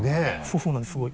そうなんですすごい。